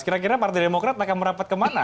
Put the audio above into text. kira kira partai demokrat akan merapat kemana